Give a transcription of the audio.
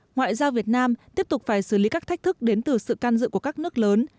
ngoại giao việt nam tiếp tục phải xử lý các thách thức đến từ sự can dự của các nước lớn